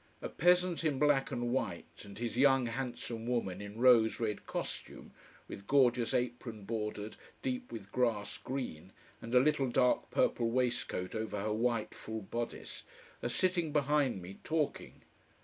A peasant in black and white, and his young, handsome woman in rose red costume, with gorgeous apron bordered deep with grass green, and a little, dark purple waistcoat over her white, full bodice, are sitting behind me talking.